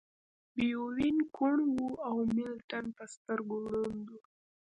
بیتووین کوڼ و او ملټن په سترګو ړوند و